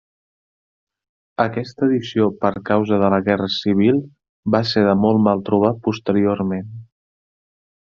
Aquesta edició per causa de la guerra civil va ser de molt mal trobar posteriorment.